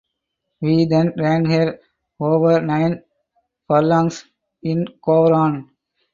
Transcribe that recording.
We then ran her over nine furlongs in Gowran.